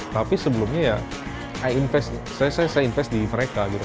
tapi sebelumnya ya saya invest di mereka gitu